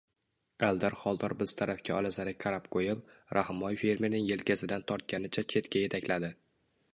Aldar Xoldor biz tarafga olazarak qarab qo‘yib, Rahimboy fermerning yelkasidan tortganicha chetga yetakladi: